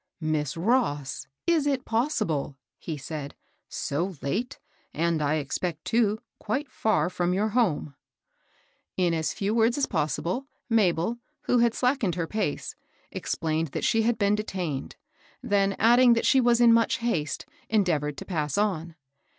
" Miss Ross ! is it possible ?*' he said ;'' so late, and I expect, too, quite far from your home ?" In as few words as possible, Mabel, who had slackened her pace, explained that she had been detained ; then, adding that she was in much haste, endeavored to pass on.